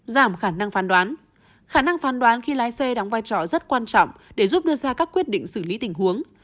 giảm khả năng phán đoán khả năng phán đoán khi lái xe đóng vai trò rất quan trọng để giúp đưa ra các quyết định xử lý tình huống